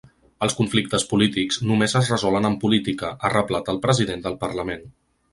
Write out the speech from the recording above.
Els conflictes polítics només es resolen amb política, ha reblat el president del parlament.